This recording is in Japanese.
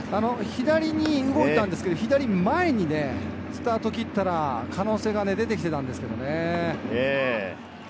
左に動いたんですけれど、左前にスタートを切ったら可能性が出て来てたんですけどね。